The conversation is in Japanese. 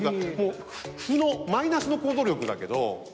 負のマイナスの行動力だけど。